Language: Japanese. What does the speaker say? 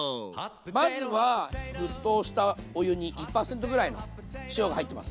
まずは沸騰したお湯に１％ぐらいの塩が入ってます。